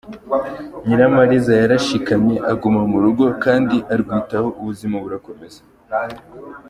Nyiramariza yarashikamye aguma mu rugo kandi arwitaho ubuzima burakomeza.